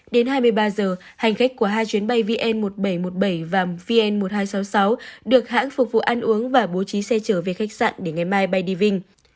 đến hai mươi ba giờ hành khách của hai chuyến bay vn một nghìn bảy trăm một mươi bảy và vn một nghìn hai trăm sáu mươi sáu được hãng phục vụ ăn uống và bố trí xe trở về khách sạn để ngày mai bay đi vinh